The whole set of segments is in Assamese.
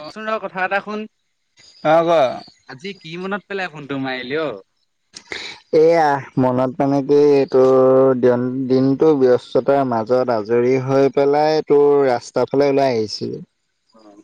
অচোন ৰ' কথা এটা শুন অ ক আজি কি মনত পেলাই ফোন ডুমাইলও [unintelligible] এয়া মনত মানে কি এইটোৰ দে দিনটো ব্যস্ততাৰ মাজত আজৰি ৰি হৈ পেলাই তোৰ ৰাস্তাৰ ফালে ওলাই আহিছিল। উম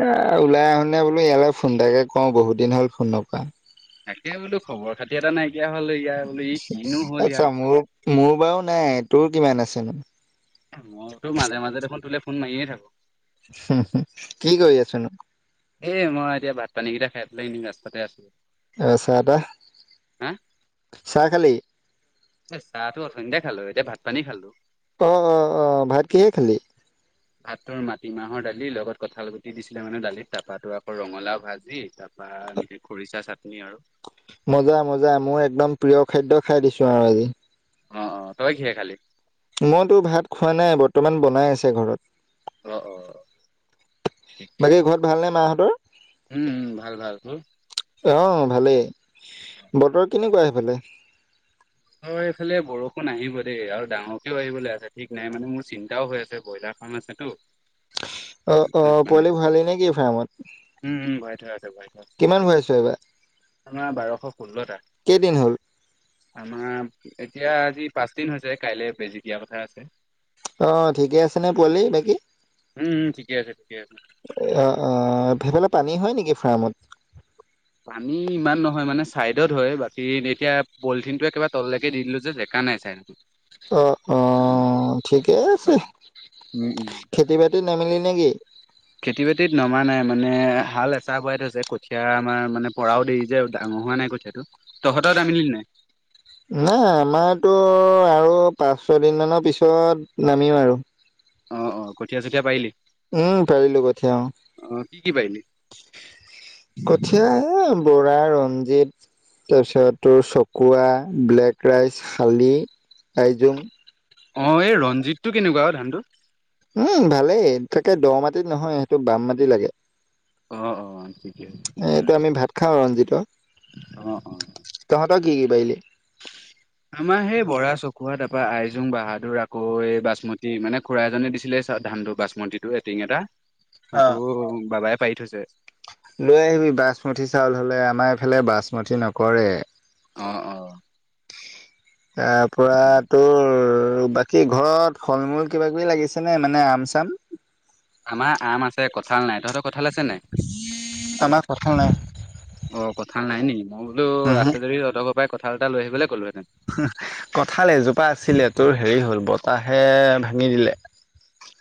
এ ওলাই আহোনে বোলো ইয়ালৈ ফোন এটা কওঁ বহুত দিন হ'ল ফোন নকৰা। তাকে বোলো খবৰ খাতি এটা নাই। আচ্ছা মোৰ মোৰ বাৰু নাই তোৰ কিমান আছেন মইতো মাজে মাজে দেখোন তোলে ফোন মাৰিয়ে থাকো। কি কৰি আছনো? এ মই এতিয়া ভাত পানী কেইটা খাই পেলাই মই ৰাস্তাতে আছো। অ', চাহ তাহ চাহ খালি। এ চাহ টো অথনিতে খালো এতিয়া ভাত পানী খালো। অ', অ', অ', ভাত কিহে খালি? ভাত তোৰ মাটিমাহৰ দালি লগত কঁঠাল গুটি দিছিলে মানে দালিত তাৰপাতো আকৌ ৰঙালাও ভাজি ত বা এনেকে খৰিচা চাটনি আৰু মজা মজা মই একদম প্ৰিয় খাদ্য খাই দিছো আৰু আজি। অ', অ', তই কিহে খালী? মইতো ভাত খোৱা নাই, বৰ্তমান বনাই আছে ঘৰত। অ', অ', ঠিকে বাকী ঘৰত ভাল নে মাহঁত উম ভাল, ভাল, তোৰ? অ', ভালেই, বতৰ কেনেকুৱা সেইফালে? অ', এইফালে বৰষুণ আহিব দেই আৰু ডাঙৰকেও আহিবলৈ আছে ঠিক নাই মানে মোৰ চিন্তাও হৈ আছে ব্ৰইলাৰ ফাৰ্ম আছেটো। অ', অ', পোৱালি ভৰালি নে কি ফাৰ্মত? উম উম ভৰায় থোৱা আছে ভৰায় থোৱা কিমান ভৰাইছ এইবাৰ আছে। বাৰশ ষোল্লটা। কেইদিন হ'ল আমাৰ এতিয়া আজি পাঁচ দিন হৈছে, কাইলে বেজি দিয়া কথা আছে। অ', ঠিকে আছে নে পোৱালি, বাকী? উম উম ঠিকে আছে ঠিকে আছে অ, অ', সেইফালে উম। পানী হয় নেকি ফাৰ্মত? পানী ইমান নহয় মানে চাইডত হয়, বাকী এতিয়া পলিথিনটো একেবাৰে তললৈকে দি দিলো যে, জেক কানাই চ অ, অ', ঠিকে আছে, উম উম খেতি বাতিত নামিলি নে কি? খেতি বাতিত নমা নাই, মানে হাল এচাহ বোৱাই থৈছে, কঠীয়াা আমাৰ মানে পৰাও দেৰি যে, ডাঙ হোৱা নাই কঠিয়াটো নাই, আমাৰতো আৰু পাঁচ-ছ দিন মানৰ পিছত নামিম আৰু। অ, অ, কঠীয়া-চঠীয়াা পাৰিলি? উম, পাৰিলো কঠিয়া, অ কি কি পাৰিলি ও। কঠীয়া, এ, বৰা, ৰঞ্জিত তাৰপিছত তোৰ চকুৱা, ব্লেক ৰাইচ, শালি, আইজোং অ, এই ৰঞ্জিতটো কেনেকুৱা অ' ধানটো? উম, ভালেই। একে দ মাটিত নহয়, সেইটো বাম মাটি লাগে। অ, অ', ঠিকে আছে, ঠিকে এইটো আছে। আমি ভাত খাওঁ ৰঞ্জিতৰ অ, অ। তহঁতৰ কি কি বাই আমাৰ সেই বৰা, চকুৱা, তাপ পা আইজোং, বাহাদুৰ আকৌ এই বাচমতী, মানে খুৰা এজনে দিছিলে এই চা ধানটো, বাচমতিটো, টিং এটা। সেইটো বাবাই পাৰি থৈছে। লৈ আহিবি বাচমতি চাউল হ'লে আমাৰ এইফালে বাচমতি নকৰে। অ' অ'। তাৰ পৰা তোৰ আৰু বাকী ঘৰত ফল-মূল কিবা কিবি লাগিছে নে মানে আম -চাম? আমাৰ আম আছে কঁঠাল নাই, তহঁতৰ কঁঠাল আছে নাই? আমাৰ কঁঠাল নাই। অ' কঁঠাল নাই নেকি, মই বোলো আছে যদি তহঁতৰ ঘৰৰ পৰাই কঁঠাল এটা লৈ আহিবলৈ ক'লো কঠাল এজোপা আছিলে তোৰ হেৰি হল বতাহে ভাঙি দিলে।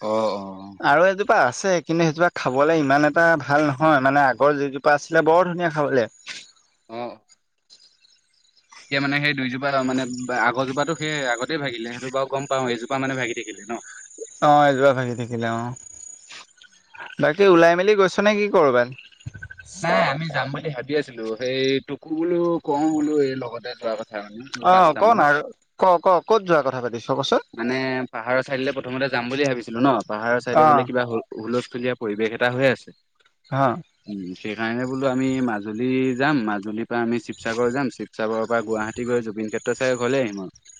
অ' অ'। আৰু এজোপা আছে। কিন্তু সেইজোপা খাবলৈ ইমান এটা ভাল নহয়, মানে আগৰ যিজোপা আছিলে বৰ ধুনীয়া খাবলে। অ। এতিয়া মানে সেই দুইজোপা মানে আগৰজোপাতো সেই আগতেই ভাগিলে সেইটো বাৰু গম পাওঁ এইজোপা মানে ভাগি থাকিলে। ন অ' এজোপা ভাগি থাকিলে অ'। বাকী ওলাই মেলি গৈছ নে কি কৰবালে? নাই আমি যাম বুলি ভাবি আছিলোঁ সেই তোকো বোলো কওঁ বোলো এই লগতে যোৱা কথা। মানে তোৰ অ' পাঁচটামান ক'না আৰু ক ক ক'ত যোৱা কথা পাতিছ কচোন? মানে পাহাৰৰ চাইডে প্ৰথমতে যাম বুলি ভাবিছিলোঁ ন, পাহাৰৰ চাইডে অ', বোলে কিবা হুলস্থুলীয়া পৰিৱেশ এটা হৈ আছে। অ'। উম সেইকাৰণে বোলো আমি মাজুলী যাম, মাজুলীৰ পৰা আমি শিৱসাগৰ যাম, শিৱসাগৰৰ পৰা গুৱাহাটী গৈ জু বিন ক্ষেত্ৰ চায় ঘৰলৈ আহিম আৰু।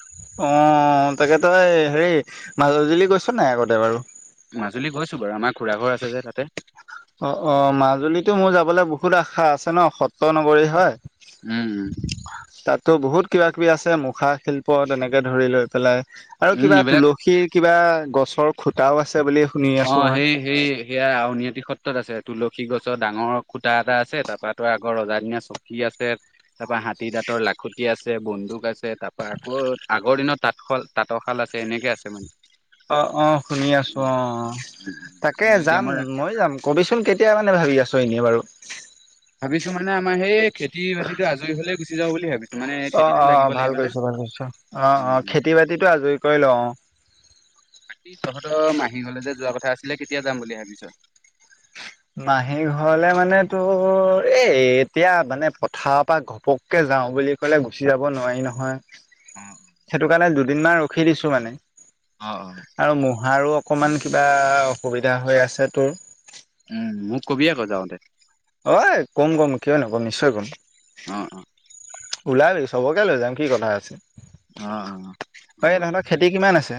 অ' তাকে তই হেৰি মাজলী গৈছ নাই আগতে বাৰু? মাজুলী গৈছো বাৰু আমাৰ খুৰাঘৰ আছে যে তাতে। অ, অ, মাজুলীতো মোৰ যাবলৈ বহুত আশা আছে ন সত্ৰ নগৰী হয়। উম। ত' বহুত কিবা-কিবি আছে, মুখা শিল্প তেনেকে ধৰি লৈ পেলাই। আৰু উম কিবা এইবিলাক তুলসীৰ কিবা গছৰ খুটাও আছে বুলি শুনি অ আছো মই। সেই সেই সেয়া আউনিআটি সত আছে তুলসী গছত ডাঙৰ খুঁটা এটা আছে, তাৰপৰাতো আগৰ ৰজাদিনীয়া চকী আছে তাৰপা হাতী দাঁতৰ লাখুটি আছে, বন্দুক আছে, তাৰপৰা আকৌ আগৰ দিনৰত তাঁতশাল-তাঁতৰশাল আছে, এনে গছে মানে অ, অ, শুনি আছো অ' তাকে যাম মিউজিয়ামৰ মই যাম কবিচোন কেতিয়া মানে ভাবি আছো এনেই বাৰু। ভাবিছো মানে আমাৰ সেই খেতি-বাতিটো আজৰি হলে গুচি যাব বুলি ভাবি অ, অ, ভাল কৈছো, ভাল কৈছো, অ, অ, উম উম। খেতি-বাতিটো আজৰি কৰি লও অ। বাকী তহঁতৰ মাহী ঘৰলে যে যোৱা কথা আছিলে, কেতিয়া যাম বুলি ভাবিছো? মাহী ঘৰলে মানে তোৰ এই এতিয়া মানে পথাৰৰ পৰা ঘপককে যাও বুলি কলে গুচি যাব নোৱাৰি নহয় অ সেইটো কাৰণে দুদিনমান ৰখি দিছো মানে অ অ আৰু মহাৰো অকণমান কিবা অসুবিধা হৈ আছে তোৰ? উম মোক ক'বি আকৌ যাওঁতে। অঁ ক'ম ক'ম কিয় নক'ম নিশ্চয় ক'ম। অ, অ। ওলাবি চবকে লৈ যাম কি কথা আছে, অ অ এই তহঁতৰ খেতি কিমান আছে?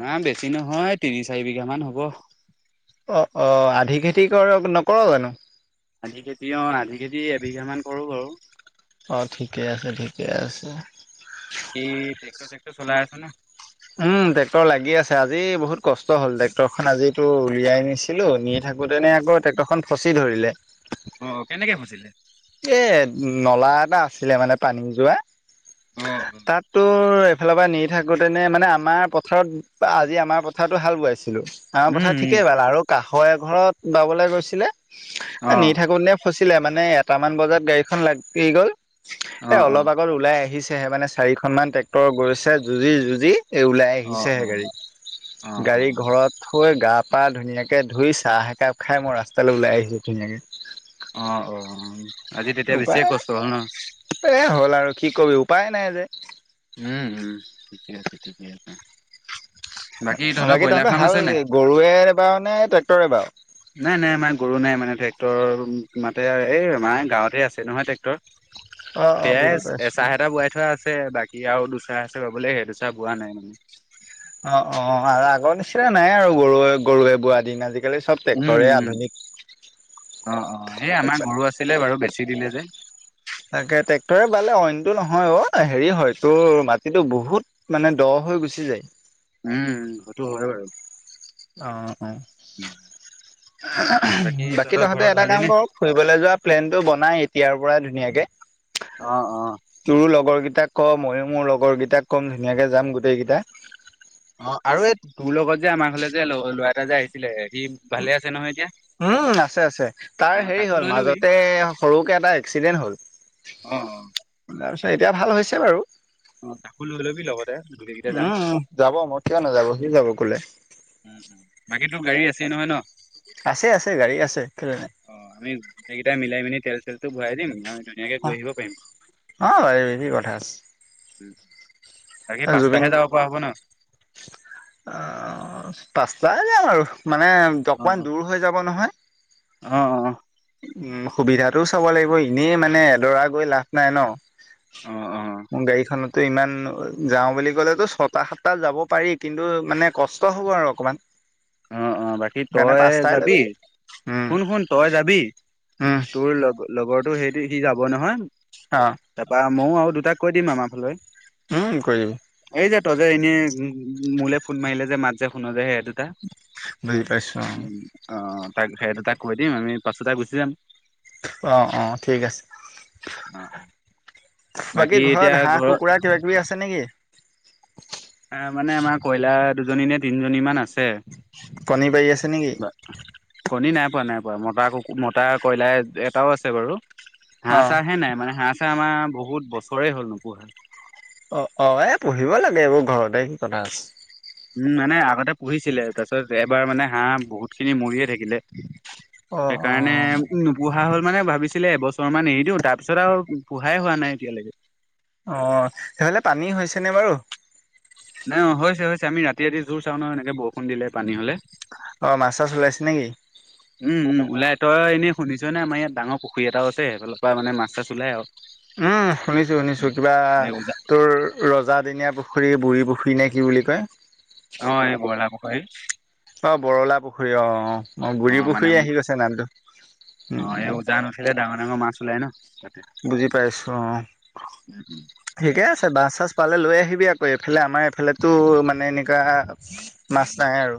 না বেছি নহয় তিনি-চাৰি বিঘা মান হ'ব। অ, অ, আধি খেতি কৰক নকৰো জানো? আধি খেতি অ আধি খেতি এবিঘা মান কৰো বাৰু অ ঠিকে আছে, ঠিকে আছে। কি ট্ৰেক্টৰ-চেক্টৰ চলাই আছা নে? উম ট্ৰেক্টৰ লাগি আছে, আজি বহুত কষ্ট হ'ল ট্ৰেক্টৰখন আজিতো উলিয়াই নিছিলো নি থাকোঁতেনে আকৌ ট্ৰেক্টৰখন ফচি ধৰিলে অ কেনেকে ফচিলে এ নলা এটা আছিলে মানে পানী যোৱা, অ উম তাততো ফালৰ পৰা নিৰি থাকোঁতেনে মানে আমাৰ পথাৰত আজি আমাৰ পথাৰটো হাল বোৱাইছ আমাৰ কথা উম ঠিকেই বালা আৰু কাষৰ এঘৰত বাবলৈ গৈছিলে। এ অ নি থাকো নে ফচিলে মানে এটামান বজাত গাড়ীখন লাগি গল এ অ অ অলপ আগত ওলাই আহিছেহে, মানে চাৰিখন মান ট্ৰেক্টৰ গৈছে যুঁজি-যুঁজি। এই ওলাই অ আহিছেহে অ গাড়ী, অ অ গাড়ী ঘৰত থৈ গা পা ধুনীয়াকে ধুই চাহ একাপ খাই মই ৰাস্তালৈ ওলাই আহিছো ধুনীয়াকে। অ, অ'। আজি তেতিয়া বেছিয়ে উপায় কষ্ট হ'ল ন এ হ'ল আৰু কি কবি উপায় নাই যে উম, উম, ঠিকে আছে, ঠিকেই আছে। তহঁতৰ বাকী ব্ৰইলাৰ তহঁতে ফাৰ্ম হাল আছে নাই? গৰুয়েৰে ৱাও নে ট্ৰেক্টৰে ৱাও? নাই, নাই, আমাৰ গৰু নাই মানে ট্ৰেক্টৰ মাতে, এই আমাৰ গাঁৱতে আছে নহয় ট্ৰেক্টৰ? অ অ বুজি সেয়াই এ পাইছো চাহ এটা বোৱাই থোৱা আছ আছে বাকী আৰু দুচাৰ আছে বাবলে সেই দুচৰা বোৱা নাই মানে। অ, অ, আৰু আগৰ নিচিনা নাই আৰু গৰুৱে-গৰুৱে বোৱাৰ দিন আজি। উম, উম, অ, অ, এই আমাৰ গৰু আছিলে বাৰু বেছি দিলে যে। তাকে ট্ৰেক্টৰে বালে অইনটো নহয় অ হেৰি হয় তোৰ মাটিটো বহুত মানে দহ হৈ গুচি যায়। উম সেইটো হয় বাৰু। অ, অ। বাকী তহঁতৰ তহঁতে ঘৰত এটা ভালেই কাম নে কৰ, ফুৰিবলৈ যোৱা প্লেনটো বনাই তিয়াৰ পৰা ধুনীয়াকে, অ অ তোৰো লগৰ কেইটাক ক ময়ো মোৰ লগৰ কেইটাক ক'ম ধুনীয়াকে যাম গোটেই কেইটা অ আৰু এই তোৰ লগত যে আমাৰ ফালে যে ল'ৰা এটা যে আহিছিলে, সি ভালে আছে নহয় এতিয়া? উম আছে আছে অ তাৰ হেৰি তাকো হ'ল লৈ লবি মাজতে সৰুকে এটা এক্সিডেণ্ট হ'ল। অ'। তাৰপিছত এতিয়া ভাল হৈছে বাৰু। অ', তাকো লই লবি লগত। উম যাব মই কিয় নাযাব সি যাব ক'লে। উম উম বাকী তোৰ গাড়ী আছে নহয় ন'। আছে, ৎআছে গাড়ী আছে তেল নাই। সেইকেইটা মিলাই মেলি তেল চেলতো ভৰাই দিম ধুনীয়াকে অ', গৈ আহিব পাৰিম অ', বাৰিবি [unintelligible] কথাছ উ বাকি পাঁচটাহে যাব পৰা হ'ব ন? অ', পাঁচটা যাম আৰু। মানে অ অকমান দূৰ হৈ যাব নহয়। অ অ অ উ সুবিধাতটোও চাব লাগিব এনেই মানে এডৰা গৈ লাভ নাই ন'। অ মোৰ গাড়ীখনতো ইমান যাওঁ বুলি ক'লেতো ছটা সাতটাত যাব পাৰি কিন্তু মানে কষ্ট হ'ব আৰু অকমান। অ', অ', বাকী সেইকাৰণে তই পাঁচটাই যাবি ল'বি উম শুন, শুন তই যাবি উম তোৰ লগ লগৰটো সেইটো সি যাব নহয় অ তাৰপা ময়ো আৰু দুটাক কৈ দিম আমাৰ ফালে উম কৰিবি এই যে তই যে এনেই মোলে ফোন মাৰিলে যে মাত যে ফুন যে সেই দুটা। বুজি পাইছো অ অ'। তাক সেইটো তাক কৈ দিম আমি পাছোঁটা গুচি যাম। অ', অ', ঠিক আছে। অ বাকী ঘৰত হাঁহ কুকুৰা কিবা কিবি আছে নেকি? মানে আমাৰ কয়লা দুজনী নে তিনজনী মান আছে। কণী পাৰী আছে নেকি। কণী নাই পোৱা নাই পোৱা মতা কুমতা কয়লাৰ এটাও আছে বাৰু হাঁহ অ', চাহহে নাই মানে হাঁহ চাহ আমাৰ বহুত বছৰে হ'ল নোপো়হা। অ', অ', এ পঢ়িব লাগে মোৰ ঘৰতে কি কথা আছে। উ মানে আগতে পুহিছিলে তাৰপিছত এবাৰ মানে হাঁহ বহুত খিনি মৰিয়ে থাকিলে। অ', সেইকাৰণে অ'। নোপোহা হ'ল। মানে ভাবিছিলে এবছৰ মান এৰি দিওঁ তাৰপিছত আৰু পোঢ়াই হোৱা নাই এতিয়ালৈকে। অ', সেইহলে পানী হৈছে নে বাৰু। নাই অ', হৈছে হৈছে আমি ৰাতি ৰাতি জোৰ চাওঁ ন' এনেকে বৰষুণ দিলে পানী হ'লে। অ', মাছ চাছ ওলাইছে নেকি? উম, উম ওলাই, তই এনেই শুনিছ নে আমাৰ ইয়াত ডাঙৰ পুখুৰী এটাও আছে সেইফালৰ পৰা মানে মাছ চাছ ওলাই আৰু। উম শুনিছো শুনিছো কিবা এই উজা তোৰ ৰজ ৰজাদিনীয়া পুখুৰী বুঢ়ী পুখুৰী নে কি বুলি কয়? হয় এই বল আাব ক অ', বৰলা পুখুৰী অ', অ', অ', গুৰি পুখুৰী আহি গৈছে নামটো। অ', এ উম, উজান উথে। ডাঙৰ মাছ ওলাই ন'। বুজি পাইছো অ' এ ঠিকে আছে মাছ চাছ পালে লৈ আহিব। [unintelligible] ক এইফালে আমাৰ এইফালেতো মানে এনেকুৱা মাছ নাই আৰু।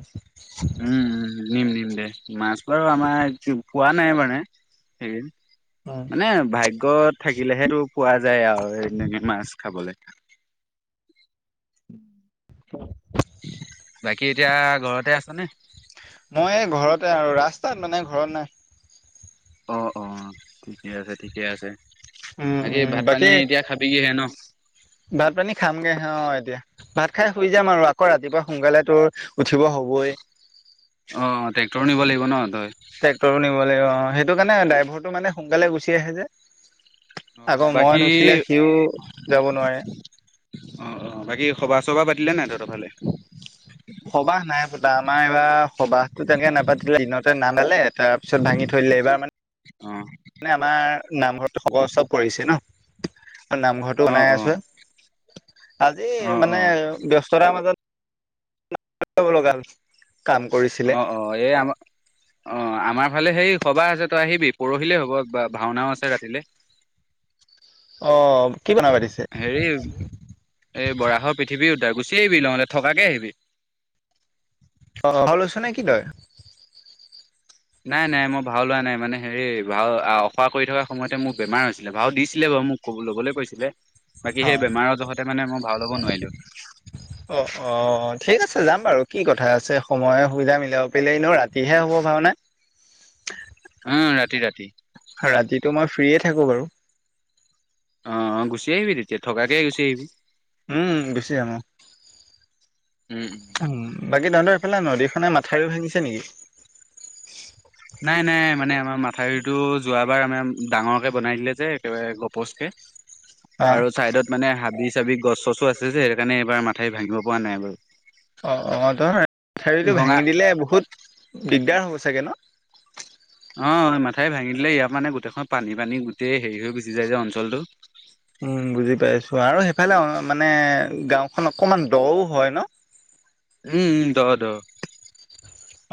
উম উম, নিম নিম দে মাছ বাৰু আমাৰ খোৱা নাই মানে সেই উম, মানে ভাগ্যত থাকিলেহেটো পোৱা যায় আৰু এনেকে মাছ খাবলে। উম। [inaudible] বাকী এতিয়া ঘৰতে আছ নে? মই এই ঘৰতে আৰু, ৰাস্তাত মানে ঘৰত নাই। অ', অ', ঠিকে আছে, ঠিকে আছে। উম বাকী উম ভাত পানী বাকী এতিয়া খাবিগিহে ন? ভাত পানী খামগে অ', এতিয়া। ভাত খাই শুই যাম আৰু আকৌ ৰাতিপুৱা সোনকালে তোৰ উঠিব হ'বই। অ', ট্ৰেক্টৰ নিব লাগিব ন' তই? ট্ৰেক্টৰো নিব লাগিব অ', সেইটো কাৰণে ড্ৰাইভৰটো মানে সোনকালে গুচি আহে যে। অ', আকৌ বাকী মই নুঠিলে সিও যাব নোৱাৰে। অ', অ', বাকী সবা চবা পাতিলে নাই তহঁতৰ ফালে। সবাহ নাই পতা আমাৰ এইবাৰ তাৰপিছত ভাঙি থৈ দিলে এইবাৰ মানে অ', মানে আমাৰ নামঘৰত সকলো চব কৰিছে ন'। নামঘৰটো বনাই অ', অ', আছোঁ, আজি অ', মানে অ', ব্যস্ততাৰ মাজত বল গাল [unintelligible] অ', অ', এই আম অ', আমাৰ ফালে সেই সবাহ আছে তই আহিবি পৰহিলেই হ'ব বা ভাওনাও আছে ৰাতিলে। [inaudible] অ'। কি বনাব পাতিছে হেৰি এই বৰাহৰ পৃথিৱী উদ্ধাৰ গুচি চ আহিবি নহ'লে থকাকে আহিবি। অ', হলোচু [unintelligible] ন কি তয়? নাই নাই মই ভাও লোৱা নাই মানে হেৰি ভাও অখাৰা কৰি থকাৰ সময়তে মোক বেমাৰ হৈছিলে ভাও দিছিলে বাৰু মোক ক লবলৈ কৈছিলে বাকী অ সেই বেমাৰৰজহতে মানে মই ভাও ল'ব নোৱাৰিলো। অ', অ', ঠিক আছে যাম বাৰু। কি কথা আছে সময়ে সুবিধা মিলাব পাৰিলে নো ৰাতিহে হ'ব ভাওনা। উম ৰাতি ৰাতি। ৰাতিটো মই ফ্ৰিয়ে থাকোঁ বাৰু। অ', গুচি আহিবি তেতিয়া থকাকে গুচি আহিবি। উম, গুচি আহোঁ। উম উম। বাকী তাহঁতৰ এইফালে নদীখনে মথাউৰি ভাঙিছে নেকি? নাই নাই মানে আমাৰ মাথাউৰিটো যোৱাবাৰ আমাৰ ডাঙৰকে বনাই দিলে যে একেবাৰে গপচকে। অ আৰু ছাইডত মানে হাবি চাবি গছ চছো আছে যে সেইটো কাৰণে এইবাৰ মাথা ভাঙিব পৰা নাই বাৰু। অ', অ', ধ চাৰীটো [unintelligible] ভঙা ভাঙি দিলে বহুত দিগদাৰ হ'ব চাগে ন'। অ', মাথাই ভাঙি দিলে ইয়াৰ মানে গোটেইখন পানী পানী গোটেই হেৰি হৈ গুচি যায় যে অঞ্চলটো। সফালে মানে গাওঁখন অকমান দও হয় ন'। উম উ দহ দহ।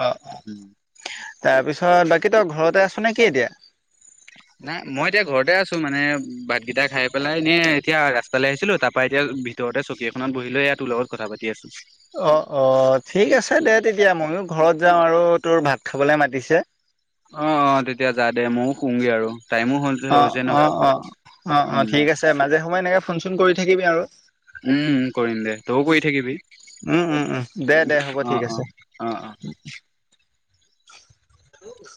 অ', অ', তাৰপিছত, বাকী তই ঘৰতে আছ নে কি এতিয়া? [inaudible] নাই মই এতিয়া ঘৰতে আছো মানে ভাতকেইটা খাই পেলাই এনে এতিয়া ৰাস্তালৈ আহিছিলো তাৰ পৰা এতিয়া তহৰতে চকী এখনত বহিলৈ ইয়া তোৰ লগত কথা পাতি আছো। অ', অ', ঠিক আছে দে তেতিয়া মইও ঘৰত যাওঁ আৰু তোৰ ভাত খাবলে মাতিছে অ অ তেতিয়া যা দে ময়ো শুংগে আৰু টাইমো হ'ল অ', হৈছে ন অ', অ', অ', অ', উম ঠিক আছে মাজে সময়ে এনেকে ফোন, চোন কৰি থাকিবি আৰু। উম কৰিম দে, তই কৰি থাকিবি। উম উম উম দে দে হ'ব ঠিক অ', অ', আছে অ', অ'। হ [unintelligible]